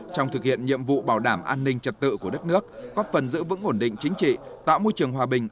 trong thực hiện nhiệm vụ bảo đảm an ninh trật tự của đất nước góp phần giữ vững ổn định chính trị tạo môi trường hòa bình